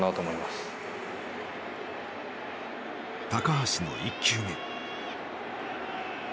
橋の１球目。